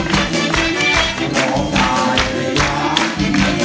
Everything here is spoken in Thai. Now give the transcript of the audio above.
คุณหน่วยนะครับ